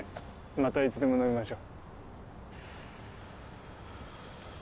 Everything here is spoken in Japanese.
またいつでも飲みましょ。